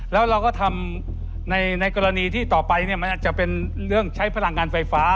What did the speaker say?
แล้วเราก็ทำในกรณีที่ต่อไปเนี่ยมันอาจจะเป็นเรื่องใช้พลังงานไฟฟ้า